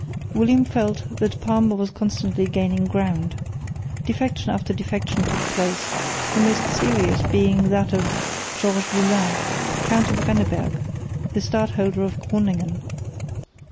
William felt that Parma was constantly gaining ground. Defection after defection took place, the most serious being that of George Lalaing, Count of Renneberg, the Stadholder of Groningen.